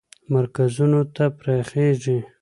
مرکزونو ته پراخیږي.